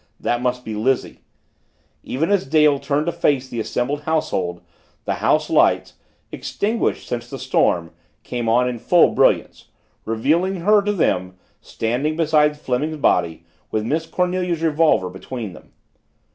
that must be Lizzie Even as Dale turned to face the assembled household, the house lights, extinguished since the storm, came on in full brilliance revealing her to them, standing beside Fleming's body with Miss Cornelia's revolver between them.